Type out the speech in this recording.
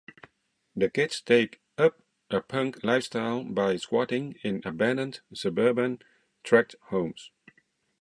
The kids take up a punk lifestyle by squatting in abandoned suburban tract homes.